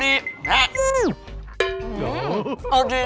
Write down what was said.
ร้อนเคลียร์กำลังดี